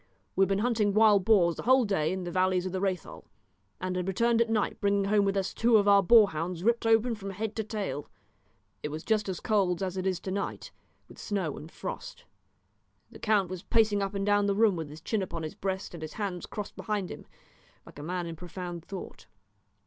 We had been hunting wild boars the whole day in the valleys of the Rhéthal, and had returned at night bringing home with us two of our boar hounds ripped open from head to tail. It was just as cold as it is to night, with snow and frost. The count was pacing up and down the room with his chin upon his breast and his hands crossed behind him, like a man in profound thought.